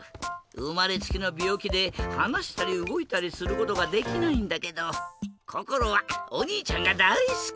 うまれつきのびょうきではなしたりうごいたりすることができないんだけどこころはおにいちゃんがだいすき！